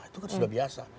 itu kan sudah biasa